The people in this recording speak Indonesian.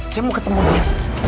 saya mau ketemu dia